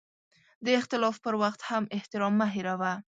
د اختلاف پر وخت هم احترام مه هېروه.